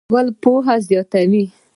بحث کول پوهه زیاتوي؟